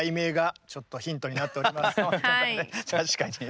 確かに。